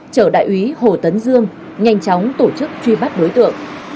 chở đại úy hồ tấn dương nhanh chóng tổ chức truy bắt đối tượng